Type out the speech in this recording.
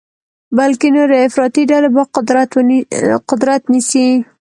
بلکې نورې افراطي ډلې به قدرت نیسي.